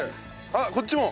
あっこっちも！